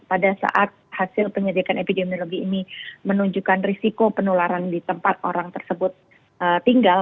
pada saat hasil penyelidikan epidemiologi ini menunjukkan risiko penularan di tempat orang tersebut tinggal